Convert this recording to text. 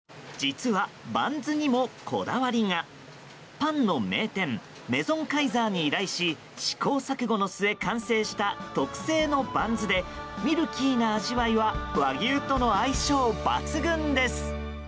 パンの名店メゾンカイザーに依頼し試行錯誤の末完成した特製のバンズでミルキーな味わいは和牛との相性抜群です。